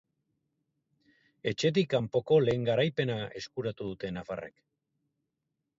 Etxetik kanpoko lehen garaipena eskuratu dute nafarrek.